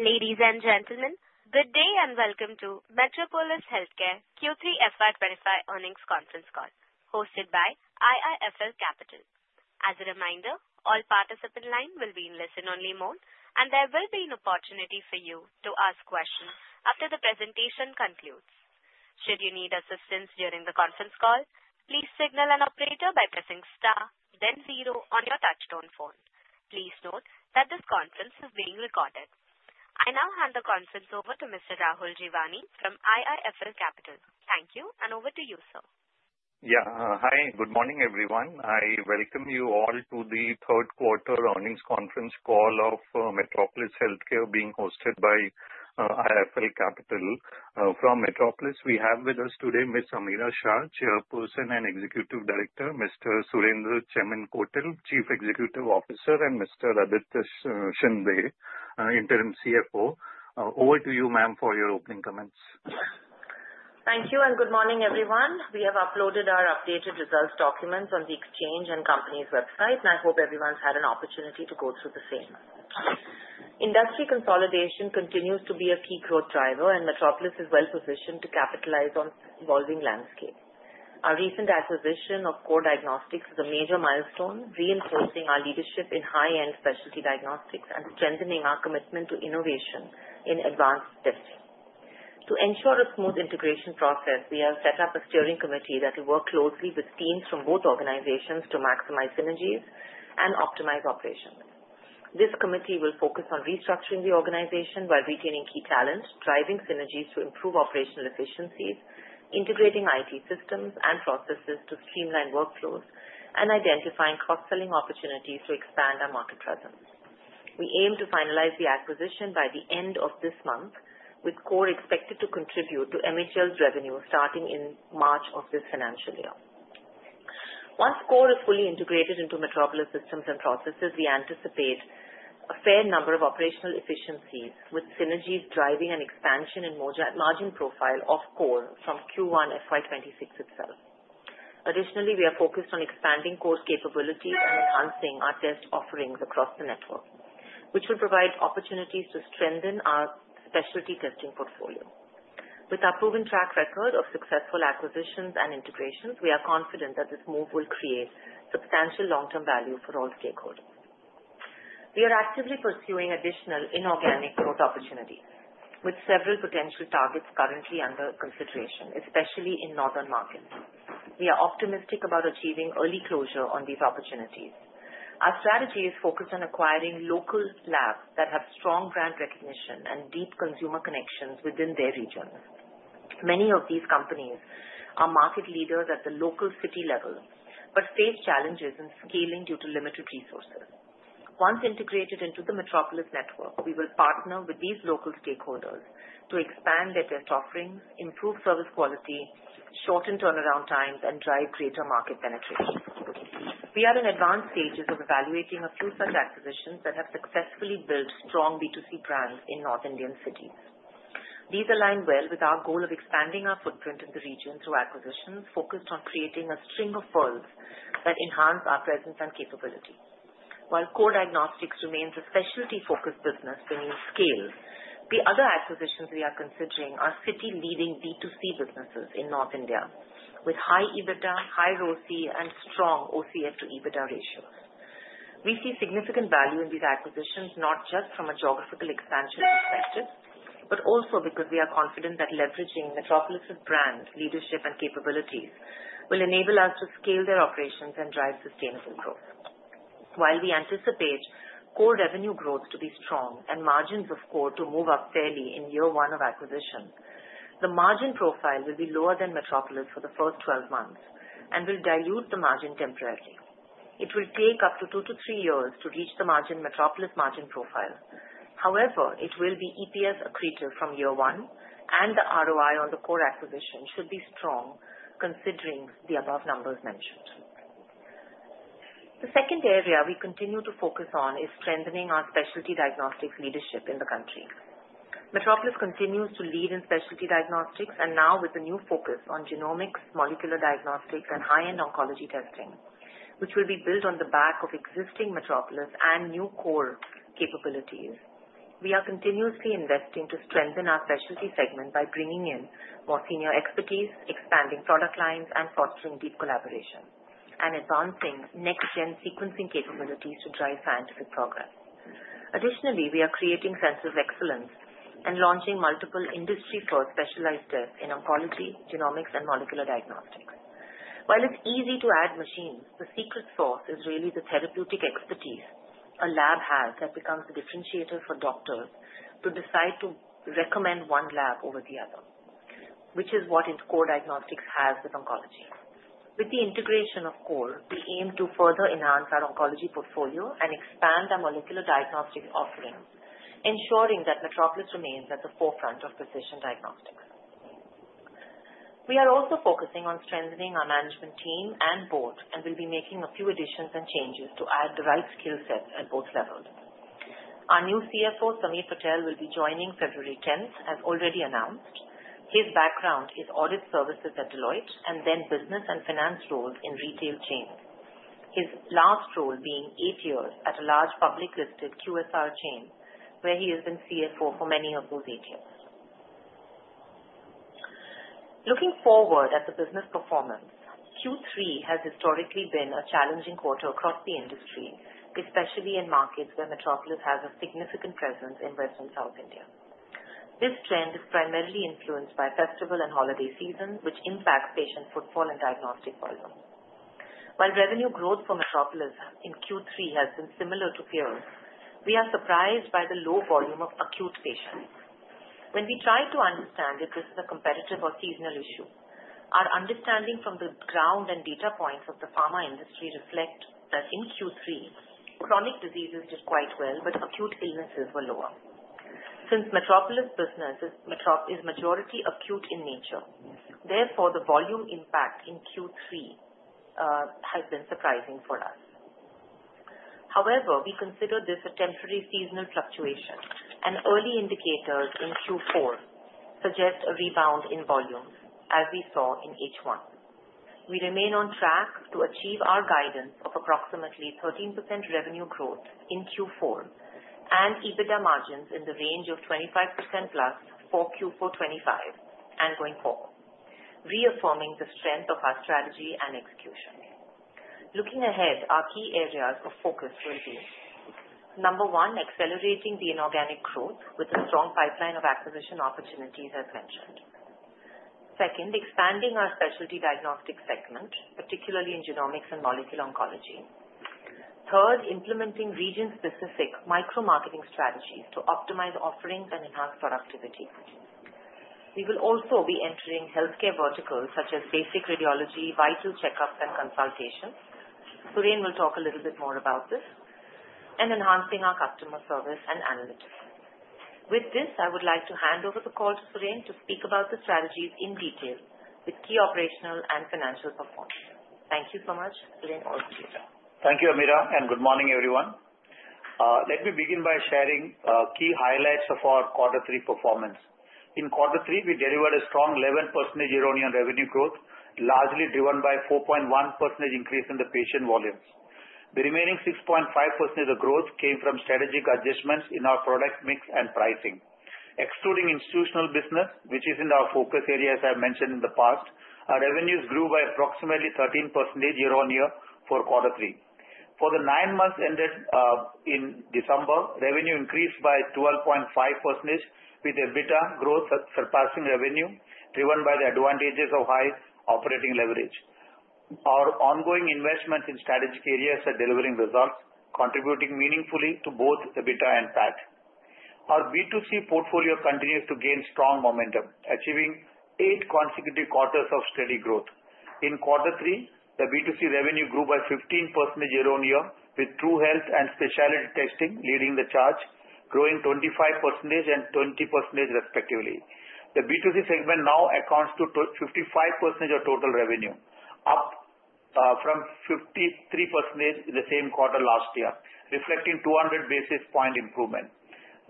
Ladies and gentlemen, good day and welcome to Metropolis Healthcare Q3 FY25 earnings conference call, hosted by IIFL Capital. As a reminder, all participants' lines will be in listen-only mode, and there will be an opportunity for you to ask questions after the presentation concludes. Should you need assistance during the conference call, please signal an operator by pressing star, then zero on your touch-tone phone. Please note that this conference is being recorded. I now hand the conference over to Mr. Rahul Jeewani from IIFL Capital. Thank you, and over to you, sir. Yeah, hi, good morning, everyone. I welcome you all to the third quarter earnings conference call of Metropolis Healthcare being hosted by IIFL Capital. From Metropolis, we have with us today Ms. Ameera Shah, Chairperson and Executive Director, Mr. Surendran Chemmenkotil, Chief Executive Officer, and Mr. Aditya Shinde, Interim CFO. Over to you, ma'am, for your opening comments. Thank you, and good morning, everyone. We have uploaded our updated results documents on the exchange and company's website, and I hope everyone's had an opportunity to go through the same. Industry consolidation continues to be a key growth driver, and Metropolis is well-positioned to capitalize on the evolving landscape. Our recent acquisition of Core Diagnostics is a major milestone, reinforcing our leadership in high-end specialty diagnostics and strengthening our commitment to innovation in advanced testing. To ensure a smooth integration process, we have set up a steering committee that will work closely with teams from both organizations to maximize synergies and optimize operations. This committee will focus on restructuring the organization while retaining key talent, driving synergies to improve operational efficiencies, integrating IT systems and processes to streamline workflows, and identifying cost-saving opportunities to expand our market presence. We aim to finalize the acquisition by the end of this month, with Core expected to contribute to MHL's revenue starting in March of this financial year. Once Core is fully integrated into Metropolis systems and processes, we anticipate a fair number of operational efficiencies, with synergies driving an expansion in margin profile of Core from Q1 FY26 itself. Additionally, we are focused on expanding Core's capabilities and enhancing our test offerings across the network, which will provide opportunities to strengthen our specialty testing portfolio. With our proven track record of successful acquisitions and integrations, we are confident that this move will create substantial long-term value for all stakeholders. We are actively pursuing additional inorganic growth opportunities, with several potential targets currently under consideration, especially in northern markets. We are optimistic about achieving early closure on these opportunities. Our strategy is focused on acquiring local labs that have strong brand recognition and deep consumer connections within their regions. Many of these companies are market leaders at the local city level but face challenges in scaling due to limited resources. Once integrated into the Metropolis network, we will partner with these local stakeholders to expand their test offerings, improve service quality, shorten turnaround times, and drive greater market penetration. We are in advanced stages of evaluating a few such acquisitions that have successfully built strong B2C brands in North Indian cities. These align well with our goal of expanding our footprint in the region through acquisitions focused on creating a string of pearls that enhance our presence and capability. While Core Diagnostics remains a specialty-focused business bringing scale, the other acquisitions we are considering are city-leading B2C businesses in North India, with high EBITDA, high ROCE, and strong OCF to EBITDA ratios. We see significant value in these acquisitions not just from a geographical expansion perspective but also because we are confident that leveraging Metropolis's brand, leadership, and capabilities will enable us to scale their operations and drive sustainable growth. While we anticipate Core revenue growth to be strong and margins of Core to move up fairly in year one of acquisition, the margin profile will be lower than Metropolis for the first 12 months and will dilute the margin temporarily. It will take up to two to three years to reach the Metropolis margin profile. However, it will be EPS accretive from year one, and the ROI on the Core acquisition should be strong, considering the above numbers mentioned. The second area we continue to focus on is strengthening our specialty diagnostics leadership in the country. Metropolis continues to lead in specialty diagnostics and now with a new focus on genomics, molecular diagnostics, and high-end oncology testing, which will be built on the back of existing Metropolis and new Core capabilities. We are continuously investing to strengthen our specialty segment by bringing in more senior expertise, expanding product lines, and fostering deep collaboration, and advancing next-gen sequencing capabilities to drive scientific progress. Additionally, we are creating centers of excellence and launching multiple industry-first specialized tests in oncology, genomics, and molecular diagnostics. While it's easy to add machines, the secret sauce is really the therapeutic expertise, a lab has that becomes a differentiator for doctors to decide to recommend one lab over the other, which is what Core Diagnostics has with oncology. With the integration of Core, we aim to further enhance our oncology portfolio and expand our molecular diagnostic offering, ensuring that Metropolis remains at the forefront of precision diagnostics. We are also focusing on strengthening our management team and board and will be making a few additions and changes to add the right skill sets at both levels. Our new CFO, Sameer Patel, will be joining February 10th, as already announced. His background is audit services at Deloitte and then business and finance roles in retail chains, his last role being eight years at a large public-listed QSR chain, where he has been CFO for many of those eight years. Looking forward at the business performance, Q3 has historically been a challenging quarter across the industry, especially in markets where Metropolis has a significant presence in West and South India. This trend is primarily influenced by festival and holiday seasons, which impact patient footfall and diagnostic volume. While revenue growth for Metropolis in Q3 has been similar to peers, we are surprised by the low volume of acute patients. When we try to understand if this is a competitive or seasonal issue, our understanding from the ground and data points of the pharma industry reflects that in Q3, chronic diseases did quite well, but acute illnesses were lower. Since Metropolis' business is majority acute in nature, therefore the volume impact in Q3 has been surprising for us. However, we consider this a temporary seasonal fluctuation, and early indicators in Q4 suggest a rebound in volume, as we saw in H1. We remain on track to achieve our guidance of approximately 13% revenue growth in Q4 and EBITDA margins in the range of 25% plus for Q4 2025 and going forward, reaffirming the strength of our strategy and execution. Looking ahead, our key areas of focus will be: number one, accelerating the inorganic growth with a strong pipeline of acquisition opportunities, as mentioned. Second, expanding our specialty diagnostic segment, particularly in genomics and molecular oncology. Third, implementing region-specific micro-marketing strategies to optimize offerings and enhance productivity. We will also be entering healthcare verticals such as basic radiology, vital checkups, and consultations. Suren will talk a little bit more about this, and enhancing our customer service and analytics. With this, I would like to hand over the call to Suren to speak about the strategies in detail with key operational and financial performance. Thank you so much, Suren. Thank you, Ameera, and good morning, everyone. Let me begin by sharing key highlights of our quarter three performance. In quarter three, we delivered a strong 11% year-on-year revenue growth, largely driven by a 4.1% increase in the patient volumes. The remaining 6.5% of the growth came from strategic adjustments in our product mix and pricing. Excluding institutional business, which is in our focus area, as I've mentioned in the past, our revenues grew by approximately 13% year-on-year for quarter three. For the nine months ended in December, revenue increased by 12.5%, with EBITDA growth surpassing revenue, driven by the advantages of high operating leverage. Our ongoing investments in strategic areas are delivering results, contributing meaningfully to both EBITDA and PAT. Our B2C portfolio continues to gain strong momentum, achieving eight consecutive quarters of steady growth. In quarter three, the B2C revenue grew by 15% year-on-year, with TruHealth and Specialty Testing leading the charge, growing 25% and 20% respectively. The B2C segment now accounts for 55% of total revenue, up from 53% in the same quarter last year, reflecting 200 basis points improvement.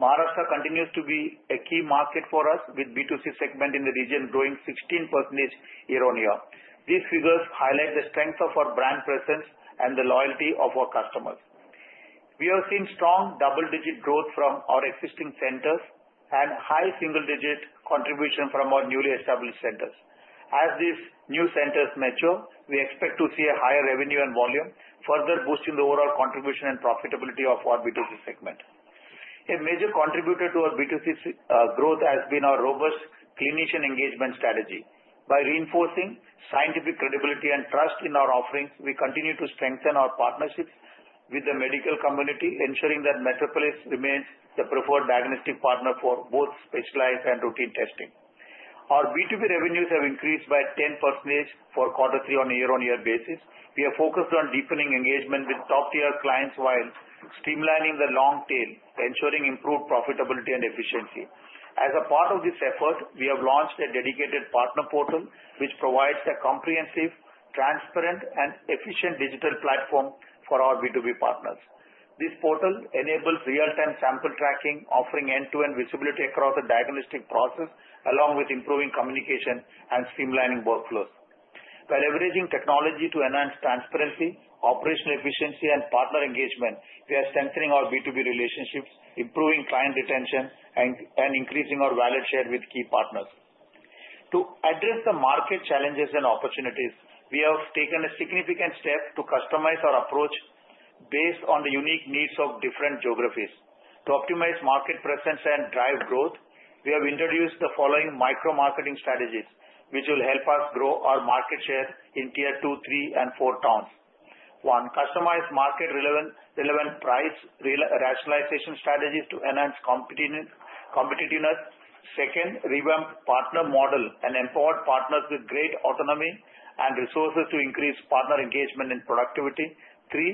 Maharashtra continues to be a key market for us, with the B2C segment in the region growing 16% year-on-year. These figures highlight the strength of our brand presence and the loyalty of our customers. We are seeing strong double-digit growth from our existing centers and high single-digit contribution from our newly established centers. As these new centers mature, we expect to see a higher revenue and volume, further boosting the overall contribution and profitability of our B2C segment. A major contributor to our B2C growth has been our robust clinician engagement strategy. By reinforcing scientific credibility and trust in our offerings, we continue to strengthen our partnerships with the medical community, ensuring that Metropolis remains the preferred diagnostic partner for both specialized and routine testing. Our B2B revenues have increased by 10% for quarter three on a year-on-year basis. We are focused on deepening engagement with top-tier clients while streamlining the long tail, ensuring improved profitability and efficiency. As a part of this effort, we have launched a dedicated partner portal, which provides a comprehensive, transparent, and efficient digital platform for our B2B partners. This portal enables real-time sample tracking, offering end-to-end visibility across the diagnostic process, along with improving communication and streamlining workflows. By leveraging technology to enhance transparency, operational efficiency, and partner engagement, we are strengthening our B2B relationships, improving client retention, and increasing our value share with key partners. To address the market challenges and opportunities, we have taken a significant step to customize our approach based on the unique needs of different geographies. To optimize market presence and drive growth, we have introduced the following micro-marketing strategies, which will help us grow our market share in tier two, three, and four towns: one, customized market-relevant price rationalization strategies to enhance competitiveness. Second, revamped partner model and empowered partners with great autonomy and resources to increase partner engagement and productivity. Three,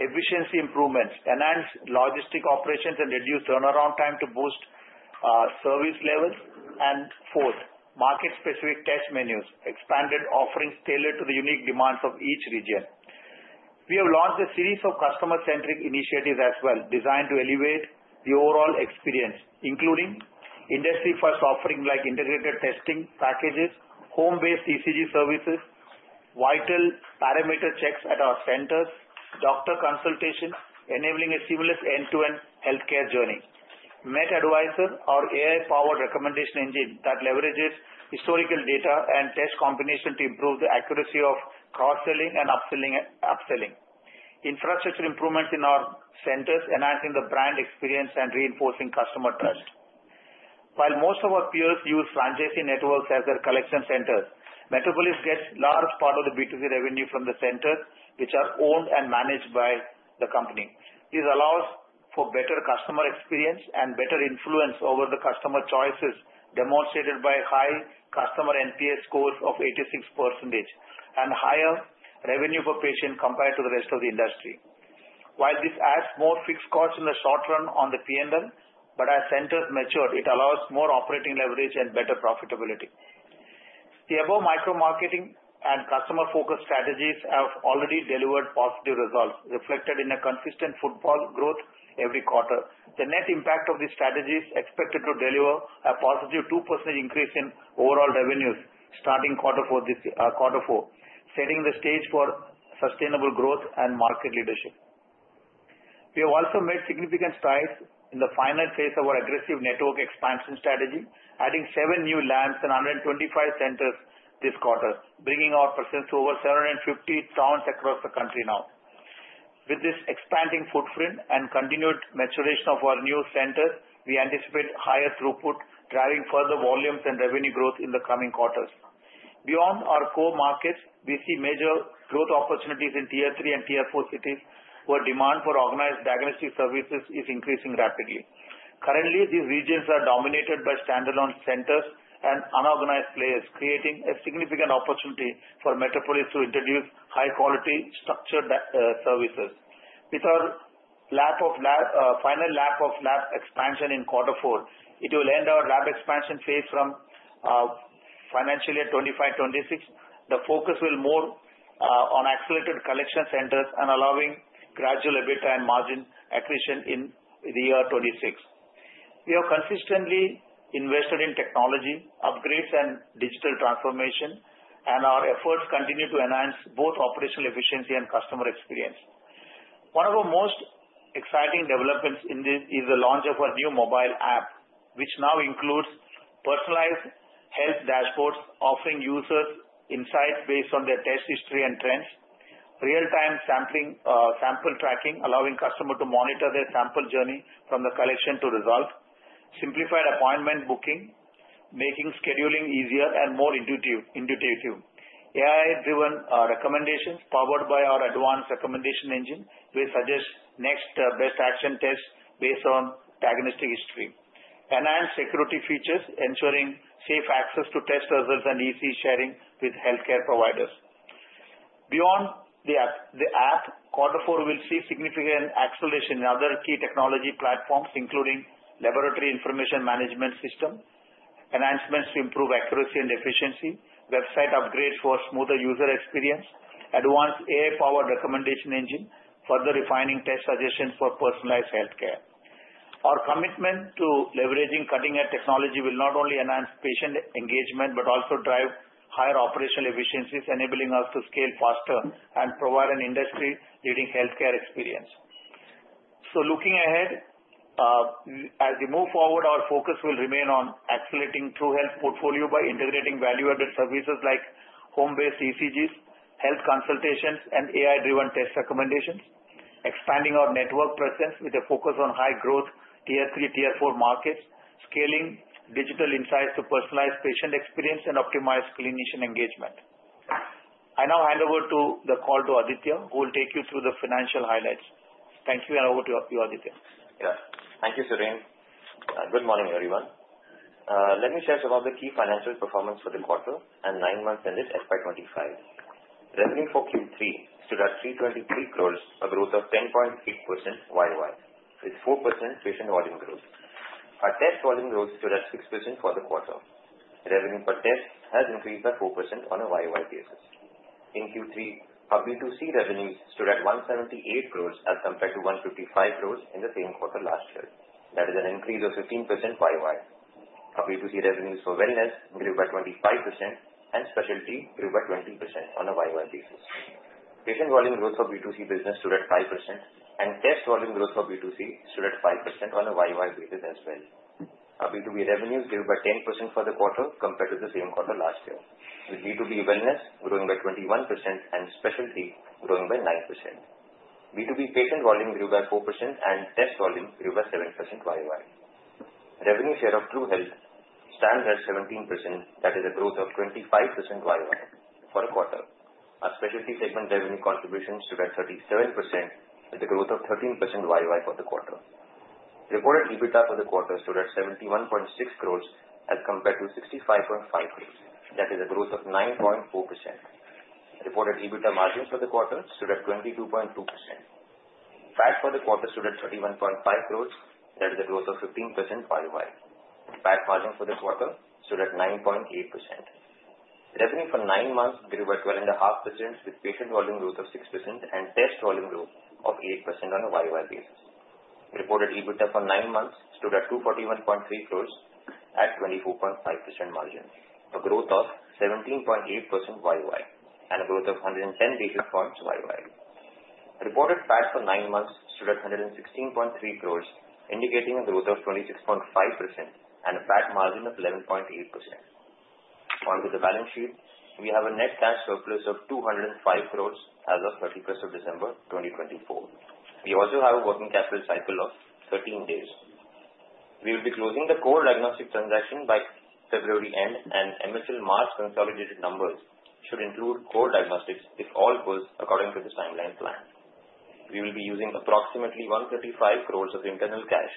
efficiency improvements, enhance logistic operations and reduce turnaround time to boost service levels. And fourth, market-specific test menus, expanded offerings tailored to the unique demands of each region. We have launched a series of customer-centric initiatives as well, designed to elevate the overall experience, including industry-first offerings like integrated testing packages, home-based ECG services, vital parameter checks at our centers, doctor consultations, enabling a seamless end-to-end healthcare journey. MetAdvisor, our AI-powered recommendation engine that leverages historical data and test combinations to improve the accuracy of cross-selling and upselling. Infrastructure improvements in our centers, enhancing the brand experience and reinforcing customer trust. While most of our peers use franchisee networks as their collection centers, Metropolis gets a large part of the B2C revenue from the centers, which are owned and managed by the company. This allows for better customer experience and better influence over the customer choices, demonstrated by high customer NPS scores of 86% and higher revenue per patient compared to the rest of the industry. While this adds more fixed costs in the short run on the P&L, but as centers mature, it allows more operating leverage and better profitability. The above micro-marketing and customer-focused strategies have already delivered positive results, reflected in a consistent robust growth every quarter. The net impact of these strategies is expected to deliver a positive 2% increase in overall revenues starting quarter four, setting the stage for sustainable growth and market leadership. We have also made significant strides in the final phase of our aggressive network expansion strategy, adding seven new labs and 125 centers this quarter, bringing our presence to over 750 towns across the country now. With this expanding footprint and continued maturation of our new centers, we anticipate higher throughput, driving further volumes and revenue growth in the coming quarters. Beyond our core markets, we see major growth opportunities in tier three and tier four cities, where demand for organized diagnostic services is increasing rapidly. Currently, these regions are dominated by standalone centers and unorganized players, creating a significant opportunity for Metropolis to introduce high-quality structured services. With our final lap of lab expansion in quarter four, it will end our lab expansion phase from financial year 2025-26. The focus will be more on accelerated collection centers and allowing gradual EBITDA and margin accretion in the year 2026. We are consistently invested in technology upgrades and digital transformation, and our efforts continue to enhance both operational efficiency and customer experience. One of our most exciting developments in this is the launch of our new mobile app, which now includes personalized health dashboards, offering users insights based on their test history and trends, real-time sample tracking, allowing customers to monitor their sample journey from the collection to result, simplified appointment booking, making scheduling easier and more intuitive. AI-driven recommendations, powered by our advanced recommendation engine, will suggest next-best action tests based on diagnostic history, enhanced security features, ensuring safe access to test results and easy sharing with healthcare providers. Beyond the app, quarter four will see significant acceleration in other key technology platforms, including laboratory information management system enhancements to improve accuracy and efficiency, website upgrades for a smoother user experience, advanced AI-powered recommendation engine, further refining test suggestions for personalized healthcare. Our commitment to leveraging cutting-edge technology will not only enhance patient engagement but also drive higher operational efficiencies, enabling us to scale faster and provide an industry-leading healthcare experience, so looking ahead, as we move forward, our focus will remain on accelerating TruHealth portfolio by integrating value-added services like home-based ECGs, health consultations, and AI-driven test recommendations, expanding our network presence with a focus on high-growth tier three, tier four markets, scaling digital insights to personalize patient experience and optimize clinician engagement. I now hand over the call to Aditya, who will take you through the financial highlights. Thank you, and over to you, Aditya. Yeah. Thank you, Suren. Good morning, everyone. Let me share some of the key financial performance for the quarter and nine months ended FY25. Revenue for Q3 stood at 323 crores, a growth of 10.8% YOY, with 4% patient volume growth. Our test volume growth stood at 6% for the quarter. Revenue per test has increased by 4% on a YOY basis. In Q3, our B2C revenues stood at 178 crores as compared to 155 crores in the same quarter last year. That is an increase of 15% YOY. Our B2C revenues for wellness grew by 25%, and specialty grew by 20% on a YOY basis. Patient volume growth for B2C business stood at 5%, and test volume growth for B2C stood at 5% on a YOY basis as well. Our B2B revenues grew by 10% for the quarter compared to the same quarter last year, with B2B wellness growing by 21% and specialty growing by 9%. B2B patient volume grew by 4%, and test volume grew by 7% YOY. Revenue share of TruHealth stands at 17%. That is a growth of 25% YOY for a quarter. Our specialty segment revenue contribution stood at 37%, with a growth of 13% YOY for the quarter. Reported EBITDA for the quarter stood at 71.6 crores as compared to 65.5 crores. That is a growth of 9.4%. Reported EBITDA margin for the quarter stood at 22.2%. PAT for the quarter stood at 31.5 crores. That is a growth of 15% YOY. PAT margin for the quarter stood at 9.8%. Revenue for nine months grew by 12.5%, with patient volume growth of 6% and test volume growth of 8% on a YOY basis. Reported EBITDA for nine months stood at 241.3 crores at 24.5% margin, a growth of 17.8% YOY, and a growth of 110 basis points YOY. Reported PAT for nine months stood at 116.3 crores, indicating a growth of 26.5% and a PAT margin of 11.8%. Onto the balance sheet, we have a net cash surplus of 205 crores as of 31st of December 2024. We also have a working capital cycle of 13 days. We will be closing the Core Diagnostics transaction by February end, and the March quarter's consolidated numbers should include Core Diagnostics if all goes according to the timeline planned. We will be using approximately 135 crores of internal cash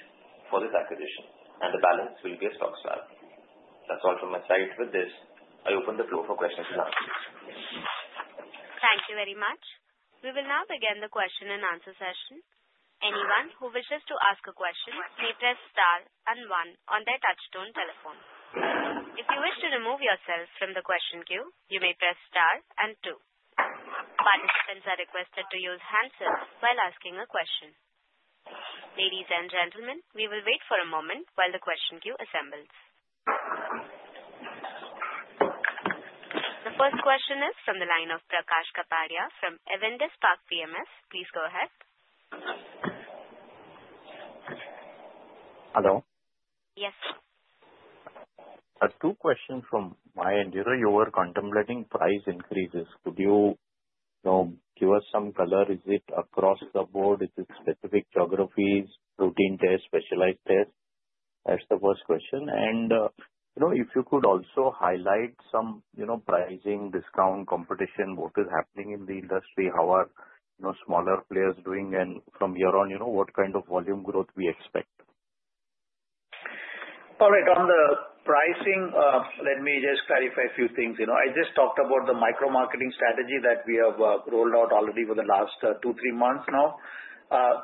for this acquisition, and the balance will be a stock swap. That's all from my side with this. I open the floor for questions and answers. Thank you very much. We will now begin the question and answer session. Anyone who wishes to ask a question may press star and one on their touch-tone telephone. If you wish to remove yourself from the question queue, you may press star and two. Participants are requested to use handsets while asking a question. Ladies and gentlemen, we will wait for a moment while the question queue assembles. The first question is from the line of Prakash Kapadia from Spark PWM. Please go ahead. Hello? Yes, sir. Two questions from my end. You know, you were contemplating price increases. Could you give us some color? Is it across the board? Is it specific geographies, routine tests, specialized tests? That's the first question, and if you could also highlight some pricing, discount, competition, what is happening in the industry, how are smaller players doing, and from here on, what kind of volume growth we expect? All right. On the pricing, let me just clarify a few things. I just talked about the micro-marketing strategy that we have rolled out already for the last two, three months now.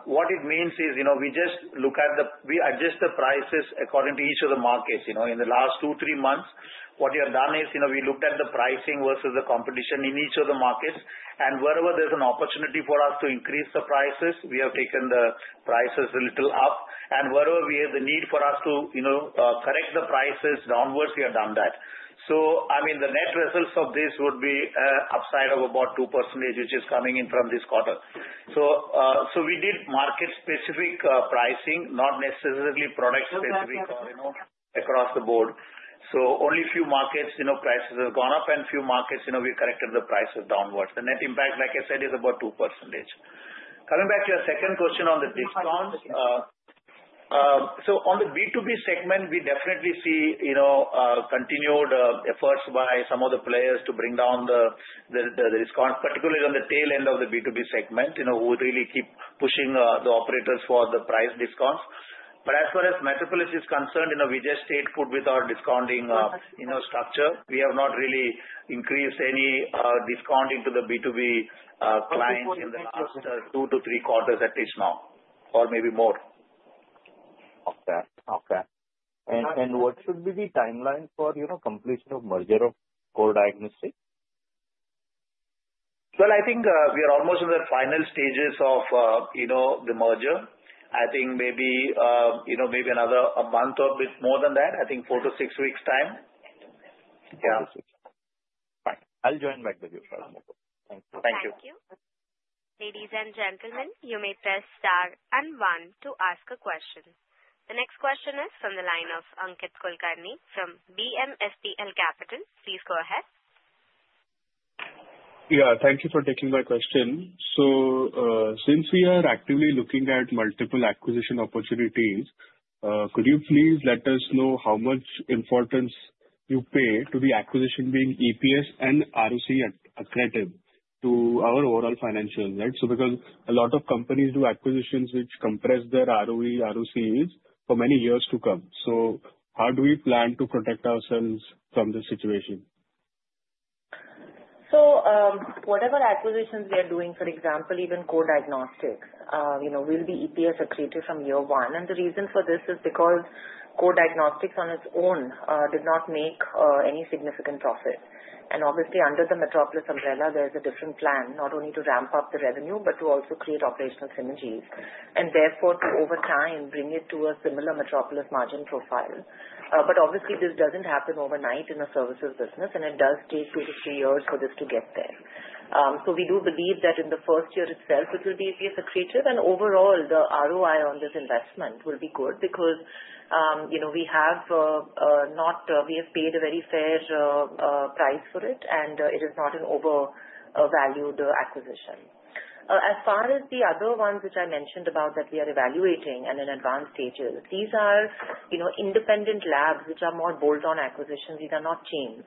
What it means is we just look at the; we adjust the prices according to each of the markets. In the last two, three months, what we have done is we looked at the pricing versus the competition in each of the markets. And wherever there's an opportunity for us to increase the prices, we have taken the prices a little up. And wherever we had the need for us to correct the prices downwards, we have done that. So I mean, the net results of this would be upside of about 2%, which is coming in from this quarter. So we did market-specific pricing, not necessarily product-specific across the board. So only a few markets' prices have gone up, and a few markets we corrected the prices downwards. The net impact, like I said, is about 2%. Coming back to your second question on the discounts. So on the B2B segment, we definitely see continued efforts by some of the players to bring down the discounts, particularly on the tail end of the B2B segment, who really keep pushing the operators for the price discounts. But as far as Metropolis is concerned, we just stayed put with our discounting structure. We have not really increased any discount into the B2B clients in the last two to three quarters, at least now, or maybe more. What should be the timeline for completion of merger of Core Diagnostics? I think we are almost in the final stages of the merger. I think maybe another month or a bit more than that. I think four-to-six weeks' time. Yeah. Fine. I'll join back with you, Suren. Thank you. Thank you. Ladies and gentlemen, you may press star and one to ask a question. The next question is from the line of Ankit Kulkarni from BMSPL Capital. Please go ahead. Yeah. Thank you for taking my question. So since we are actively looking at multiple acquisition opportunities, could you please let us know how much importance you pay to the acquisition being EPS- and ROCE-accretive to our overall financials, right? So because a lot of companies do acquisitions which compress their ROE, ROCEs for many years to come. So how do we plan to protect ourselves from this situation? Whatever acquisitions we are doing, for example, even Core Diagnostics, will be EPS accretive from year one. The reason for this is because Core Diagnostics on its own did not make any significant profit. Obviously, under the Metropolis umbrella, there is a different plan, not only to ramp up the revenue, but to also create operational synergies, and therefore to over time bring it to a similar Metropolis margin profile. Obviously, this does not happen overnight in a services business, and it does take two to three years for this to get there. We do believe that in the first year itself, it will be EPS accretive. Overall, the ROI on this investment will be good because we have not paid a very fair price for it, and it is not an overvalued acquisition. As far as the other ones which I mentioned about that we are evaluating and in advanced stages, these are independent labs which are more bolt-on acquisitions. These are not chains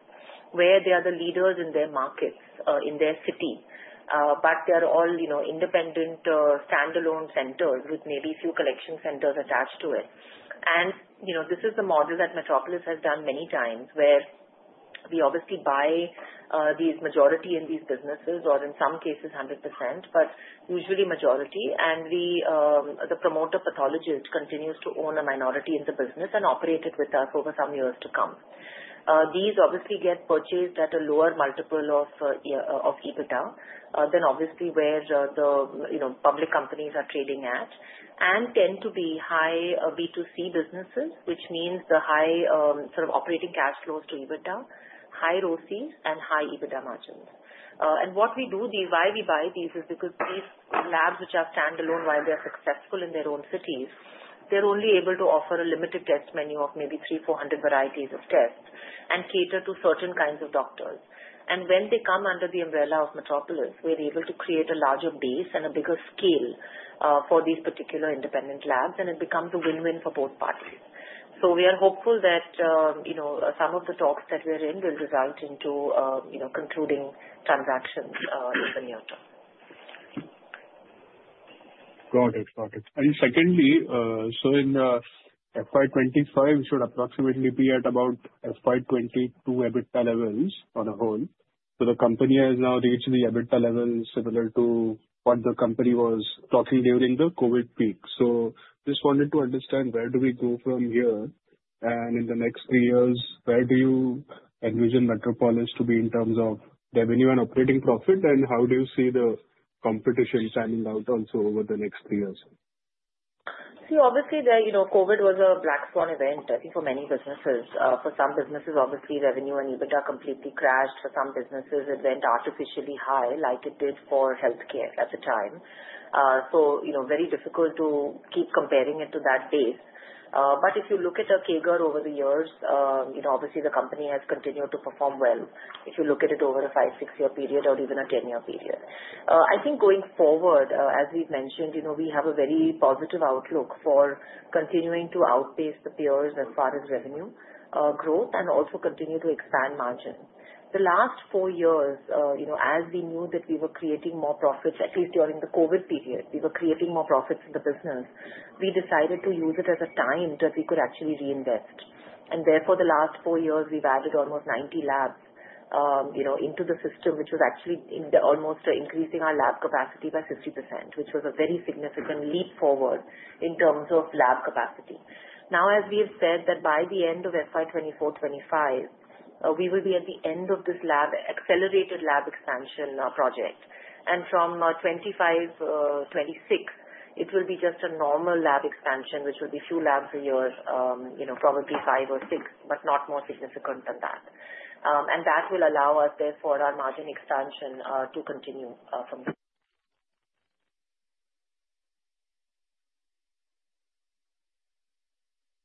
where they are the leaders in their markets, in their city. But they are all independent standalone centers with maybe a few collection centers attached to it. And this is the model that Metropolis has done many times where we obviously buy these majority in these businesses, or in some cases, 100%, but usually majority. And the promoter pathologist continues to own a minority in the business and operate it with us over some years to come. These obviously get purchased at a lower multiple of EBITDA than obviously where the public companies are trading at and tend to be high B2C businesses, which means the high sort of operating cash flows to EBITDA, high ROCs, and high EBITDA margins. And what we do, why we buy these is because these labs which are standalone while they're successful in their own cities, they're only able to offer a limited test menu of maybe 300, 400 varieties of tests and cater to certain kinds of doctors. And when they come under the umbrella of Metropolis, we're able to create a larger base and a bigger scale for these particular independent labs, and it becomes a win-win for both parties. So we are hopeful that some of the talks that we're in will result into concluding transactions in the near term. Got it. Got it. And secondly, so in FY25, we should approximately be at about FY22 EBITDA levels on a whole. So the company has now reached the EBITDA level similar to what the company was talking during the COVID peak. So just wanted to understand where do we go from here, and in the next three years, where do you envision Metropolis to be in terms of revenue and operating profit, and how do you see the competition standing out also over the next three years? See, obviously, COVID was a black swan event, I think, for many businesses. For some businesses, obviously, revenue and EBITDA completely crashed. For some businesses, it went artificially high like it did for healthcare at the time. So very difficult to keep comparing it to that base. But if you look at a CAGR over the years, obviously, the company has continued to perform well if you look at it over a five, six-year period or even a ten-year period. I think going forward, as we've mentioned, we have a very positive outlook for continuing to outpace the peers as far as revenue growth and also continue to expand margins. The last four years, as we knew that we were creating more profits, at least during the COVID period, we were creating more profits in the business, we decided to use it as a time that we could actually reinvest. Therefore, the last four years, we've added almost 90 labs into the system, which was actually almost increasing our lab capacity by 50%, which was a very significant leap forward in terms of lab capacity. Now, as we have said that by the end of FY2024-25, we will be at the end of this accelerated lab expansion project. And from 2025-26, it will be just a normal lab expansion, which will be few labs a year, probably five or six, but not more significant than that. And that will allow us, therefore, our margin expansion to continue from there.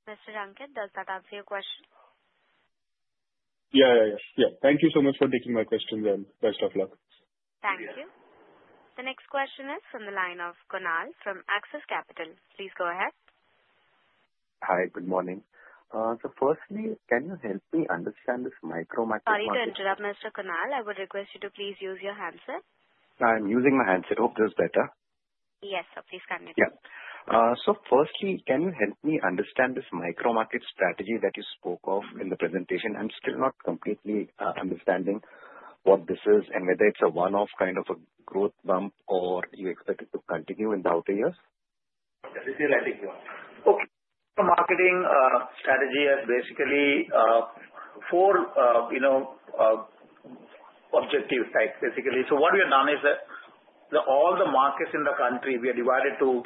Mr. Ankit, does that answer your question? Yeah. Yeah. Yeah. Thank you so much for taking my questions, and best of luck. Thank you. The next question is from the line of Kunal from Axis Capital. Please go ahead. Hi. Good morning. So firstly, can you help me understand this micro-market strategy? Sorry to interrupt, Mr. Kunal. I would request you to please use your handset. I'm using my handset. Hope this is better. Yes, sir. Please come in. Yeah. So firstly, can you help me understand this micro-market strategy that you spoke of in the presentation? I'm still not completely understanding what this is and whether it's a one-off kind of a growth bump or you expect it to continue in the outer years? This is your writing here. Okay. The marketing strategy has basically four objective types, basically, so what we have done is that all the markets in the country, we are divided to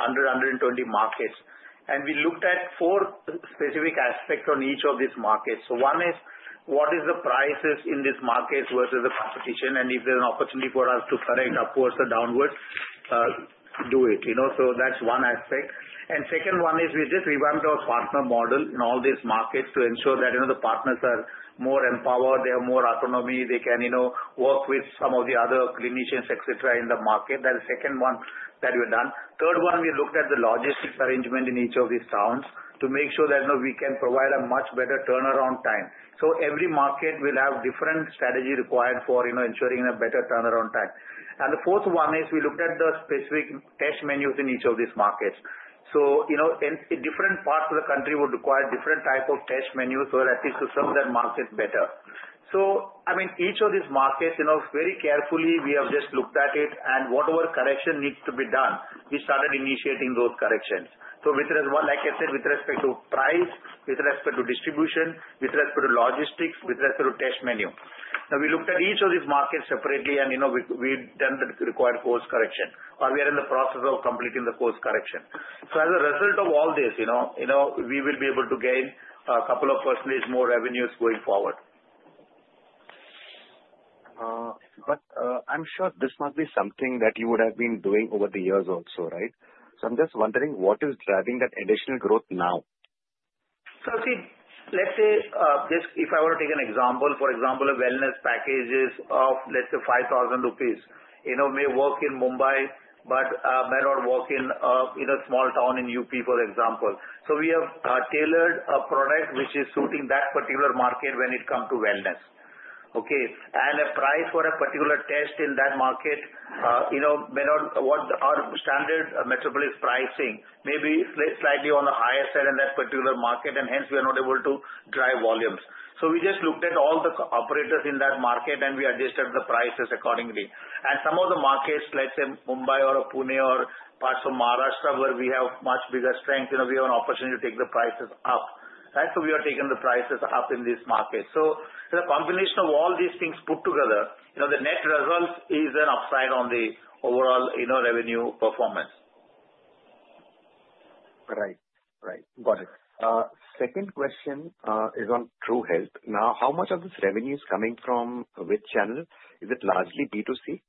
under 120 markets, and we looked at four specific aspects on each of these markets, so one is what is the prices in these markets versus the competition, and if there's an opportunity for us to correct upwards or downwards, do it. So that's one aspect, and second one is we just revamped our partner model in all these markets to ensure that the partners are more empowered. They have more autonomy. They can work with some of the other clinicians, etc., in the market. That is the second one that we have done. Third one, we looked at the logistics arrangement in each of these towns to make sure that we can provide a much better turnaround time. So every market will have different strategy required for ensuring a better turnaround time. And the fourth one is we looked at the specific test menus in each of these markets. So different parts of the country would require different types of test menus or at least to serve their markets better. So I mean, each of these markets, very carefully, we have just looked at it, and whatever correction needs to be done, we started initiating those corrections. So like I said, with respect to price, with respect to distribution, with respect to logistics, with respect to test menu. Now, we looked at each of these markets separately, and we've done the required course correction, or we are in the process of completing the course correction. So as a result of all this, we will be able to gain a couple of percentage more revenues going forward. But I'm sure this must be something that you would have been doing over the years also, right? So I'm just wondering, what is driving that additional growth now? So, see, let's say, if I were to take an example, for example, a wellness package is of, let's say, 5,000 rupees. It may work in Mumbai, but it may not work in a small town in UP, for example. So we have tailored a product which is suiting that particular market when it comes to wellness, okay? And a price for a particular test in that market may not what our standard Metropolis pricing may be slightly on the higher side in that particular market, and hence, we are not able to drive volumes. So we just looked at all the operators in that market, and we adjusted the prices accordingly. And some of the markets, let's say, Mumbai or Pune or parts of Maharashtra where we have much bigger strength, we have an opportunity to take the prices up. That's why we are taking the prices up in these markets. So the combination of all these things put together, the net result is an upside on the overall revenue performance. Right. Right. Got it. Second question is on TruHealth. Now, how much of this revenue is coming from which channel? Is it largely B2C?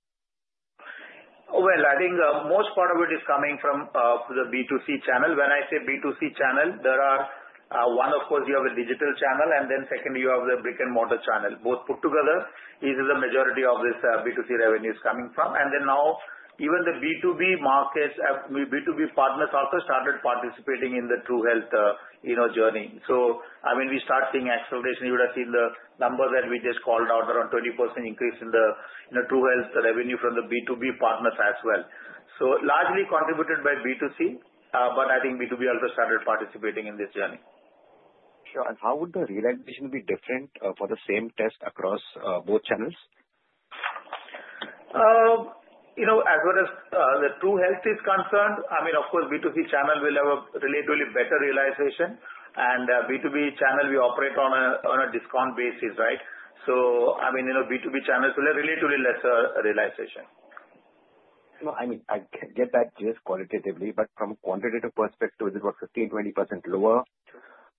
I think most part of it is coming from the B2C channel. When I say B2C channel, there are one, of course, you have a digital channel, and then second, you have the brick-and-mortar channel. Both put together, this is the majority of this B2C revenue is coming from. Then now, even the B2B markets, B2B partners also started participating in the TruHealth journey. I mean, we start seeing acceleration. You would have seen the number that we just called out, around 20% increase in the TruHealth revenue from the B2B partners as well. Largely contributed by B2C, but I think B2B also started participating in this journey. Sure. And how would the realization be different for the same test across both channels? As far as the TruHealth is concerned, I mean, of course, B2C channel will have a relatively better realization, and B2B channel, we operate on a discount basis, right? So I mean, B2B channels will have relatively lesser realization. I mean, I get that just qualitatively, but from a quantitative perspective, is it about 15%-20% lower? No,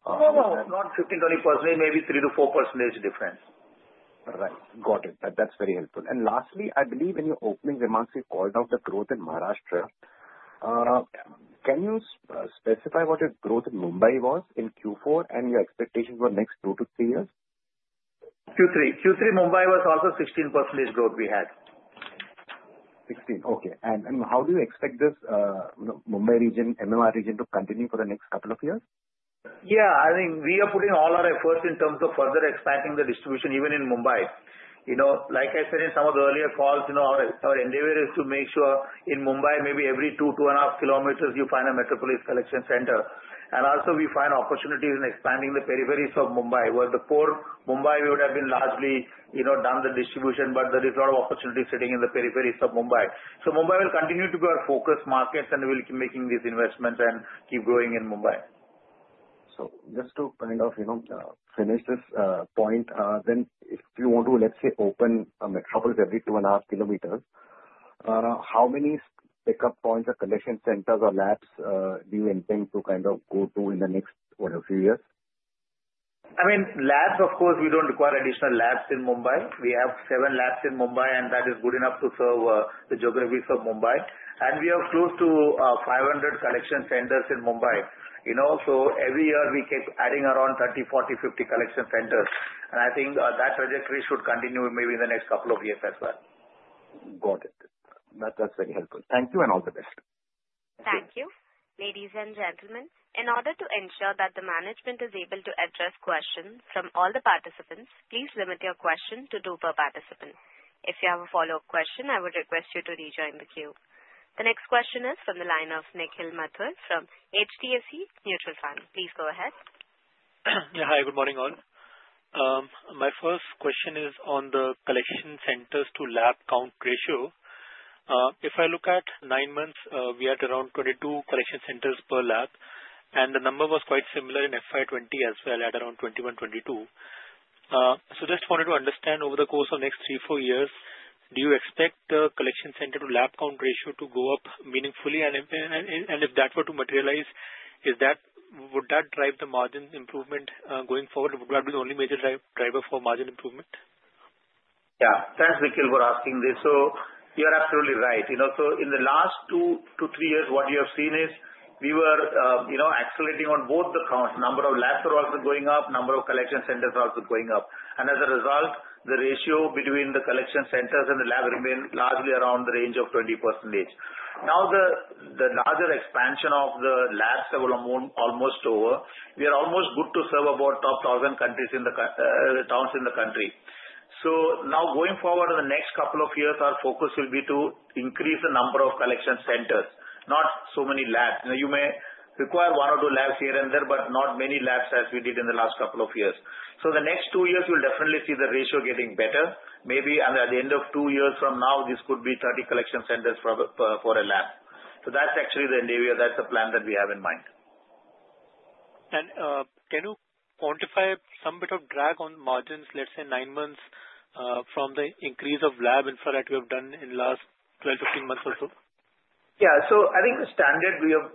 no, no. Not 15%-20%. Maybe 3%-4% difference. All right. Got it. That's very helpful. And lastly, I believe in your opening remarks, you called out the growth in Maharashtra. Can you specify what your growth in Mumbai was in Q4 and your expectations for the next two to three years? Q3. Q3, Mumbai was also 16% growth we had. Okay. And how do you expect this Mumbai region, MMR region, to continue for the next couple of years? Yeah. I think we are putting all our efforts in terms of further expanding the distribution even in Mumbai. Like I said in some of the earlier calls, our endeavor is to make sure in Mumbai, maybe every two, two and a half kilometers, you find a Metropolis Collection Center. And also, we find opportunities in expanding the peripheries of Mumbai. Whereas the core Mumbai would have been largely done the distribution, but there is a lot of opportunity sitting in the peripheries of Mumbai. So Mumbai will continue to be our focus markets, and we'll keep making these investments and keep growing in Mumbai. So just to kind of finish this point, then if you want to, let's say, open a Metropolis every two and a half kilometers, how many pickup points or collection centers or labs do you intend to kind of go to in the next few years? I mean, labs, of course, we don't require additional labs in Mumbai. We have seven labs in Mumbai, and that is good enough to serve the geographies of Mumbai, and we are close to 500 collection centers in Mumbai, so every year, we keep adding around 30, 40, 50 collection centers, and I think that trajectory should continue maybe in the next couple of years as well. Got it. That's very helpful. Thank you, and all the best. Thank you. Ladies and gentlemen, in order to ensure that the management is able to address questions from all the participants, please limit your question to two per participant. If you have a follow-up question, I would request you to rejoin the queue. The next question is from the line of Nikhil Mathur from HDFC Mutual Fund. Please go ahead. Yeah. Hi. Good morning, all. My first question is on the collection centers to lab count ratio. If I look at nine months, we had around 22 collection centers per lab, and the number was quite similar in FY20 as well at around 21, 22. So just wanted to understand, over the course of next three, four years, do you expect the collection center to lab count ratio to go up meaningfully? And if that were to materialize, would that drive the margin improvement going forward? Would that be the only major driver for margin improvement? Yeah. Thanks, Nikhil, for asking this. So you are absolutely right. So in the last two to three years, what you have seen is we were accelerating on both the counts. Number of labs are also going up. Number of collection centers are also going up. And as a result, the ratio between the collection centers and the lab remained largely around the range of 20%. Now, the larger expansion of the labs have almost over. We are almost good to serve about top 1,000 towns in the country. So now, going forward in the next couple of years, our focus will be to increase the number of collection centers, not so many labs. You may require one or two labs here and there, but not many labs as we did in the last couple of years. The next two years, you'll definitely see the ratio getting better. Maybe at the end of two years from now, this could be 30 collection centers for a lab. That's actually the endeavor. That's the plan that we have in mind. Can you quantify some bit of drag on margins, let's say, nine months from the increase of lab infrastructure we have done in the last 12, 15 months or so? Yeah. So I think the standard we have